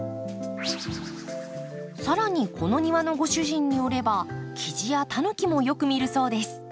更にこの庭のご主人によればキジやタヌキもよく見るそうです。